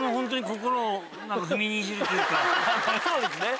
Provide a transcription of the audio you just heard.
そうですね。